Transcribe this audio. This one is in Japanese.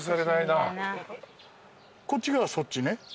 こっちがそっちね。